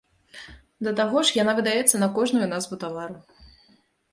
Да таго ж, яна выдаецца на кожную назву тавару.